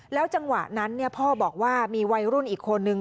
จังหวะนั้นพ่อบอกว่ามีวัยรุ่นอีกคนนึง